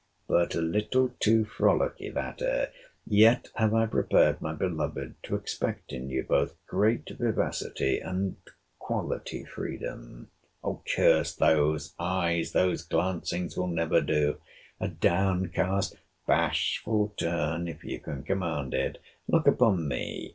But a little too frolicky that air.—Yet have I prepared my beloved to expect in you both great vivacity and quality freedom. Curse those eyes!—Those glancings will never do. A down cast bashful turn, if you can command it. Look upon me.